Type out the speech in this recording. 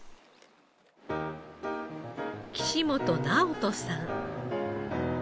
岸本直人さん。